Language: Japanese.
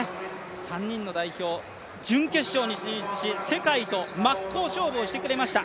３人の代表、準決勝に進出し世界と真っ向勝負をしてくれました。